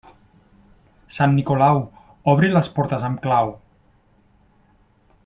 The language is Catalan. Sant Nicolau, obri les portes amb clau.